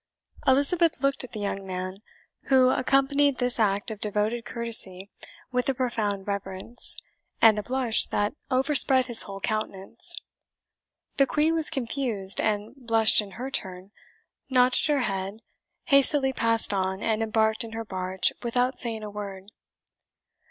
Elizabeth looked at the young man, who accompanied this act of devoted courtesy with a profound reverence, and a blush that overspread his whole countenance. The Queen was confused, and blushed in her turn, nodded her head, hastily passed on, and embarked in her barge without saying a word.